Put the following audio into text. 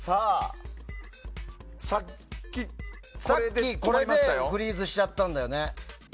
さっき、これでフリーズしちゃったんだよね。